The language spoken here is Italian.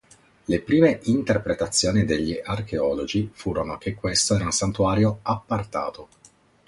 Le prime interpretazioni degli archeologi furono che questo era un santuario appartato.